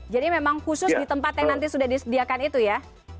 jadi memang khusus di tempat yang nanti sudah disediakan itu ya